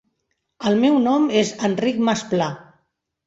El meu nom és Enric Mas Pla.